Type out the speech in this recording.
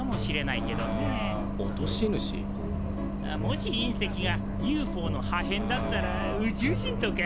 もし隕石がＵＦＯのはへんだったら宇宙人とか？